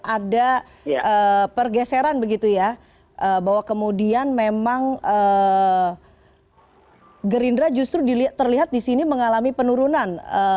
ada pergeseran begitu ya bahwa kemudian memang gerindra justru terlihat di sini mengalami penurunan